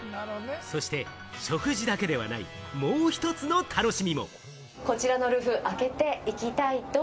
そして食事だけではない、もう１つの楽しみも。